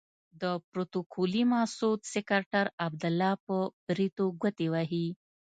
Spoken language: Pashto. د پروتوکولي مسعود سکرتر عبدالله په بریتو ګوتې وهي.